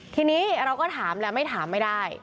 ทีนี้เราก็ถามแล้วไม่ถามไม่ได้